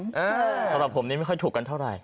สำหรับผมนี้ไม่ค่อยถูกกันเท่าไหร